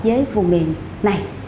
với vùng miền này